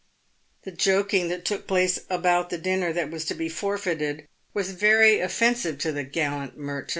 The joking that took place about the dinner that was to be forfeited was very offensive to the gallant Merton.